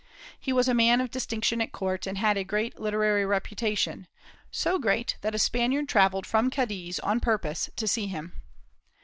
He was a man of distinction at court, and had a great literary reputation, so great that a Spaniard travelled from Cadiz on purpose to see him.